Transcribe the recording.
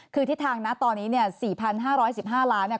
คือทิศทางนะตอนนี้๔๕๑๕ล้านบาท